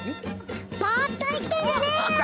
ボーっと生きてんじゃねーよ！